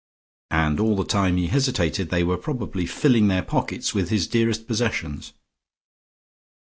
And all the time he hesitated, they were probably filling their pockets with his dearest possessions.